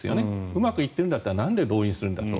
うまくいっているんだったらなんで動員するんだと。